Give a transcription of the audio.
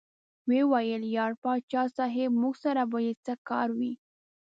ویې ویل: یار پاچا صاحب موږ سره به یې څه کار وي.